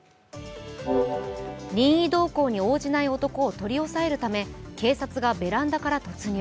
任意同行に応じない男を取り押さえるため警察がベランダから突入。